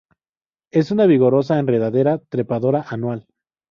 Es una vigorosa enredadera trepadora anual.